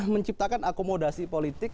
menciptakan akomodasi politik